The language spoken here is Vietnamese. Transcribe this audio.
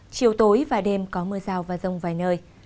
chiều tối và đêm có mưa rào và rông vài nơi